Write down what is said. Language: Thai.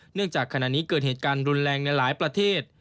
จากขณะนี้เกิดเหตุการณ์รุนแรงในหลายประเทศ